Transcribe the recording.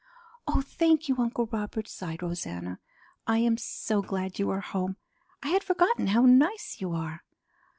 "Oh, thank you, Uncle Robert!" sighed Rosanna. "I am so glad you are home. I had forgotten how nice you are."